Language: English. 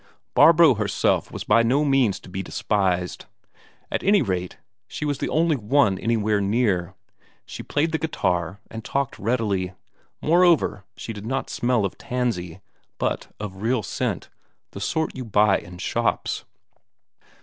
Barbro herself was by no means to be despised; at any rate she was the only one anywhere near. She played the guitar and talked readily; moreover, she did not smell of tansy, but of real scent, the sort you buy in shops.